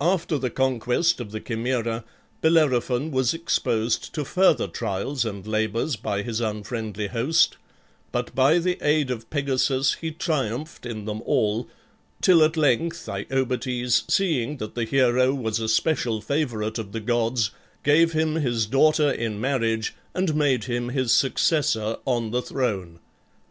After the conquest of the Chimaera Bellerophon was exposed to further trials and labors by his unfriendly host, but by the aid of Pegasus he triumphed in them all, till at length Iobates, seeing that the hero was a special favorite of the gods, gave him his daughter in marriage and made him his successor on the throne.